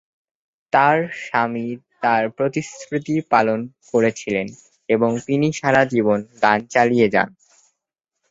তাঁর স্বামী তাঁর প্রতিশ্রুতি পালন করেছিলেন এবং তিনি সারা জীবন গান চালিয়ে যান।